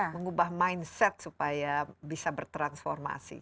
mengubah mindset supaya bisa bertransformasi